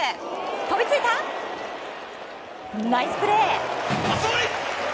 飛びついた、ナイスプレー！